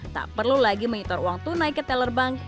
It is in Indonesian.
tak perlu lagi mengitor uang tunai ke teller bank